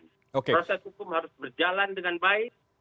proses hukum harus berjalan dengan baik